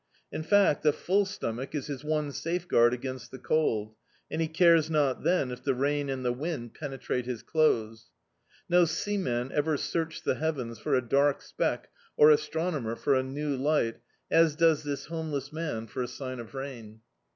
In fact a full stomach is his one safeguard against the cold, and he cares not then if the rain and the wind penetrate his clothes. No seaman ever searched the heavens for a dark speck, or astronomer for a new light, as docs this homeless man for a sign of rain.